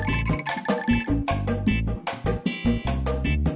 ibu damn sama dia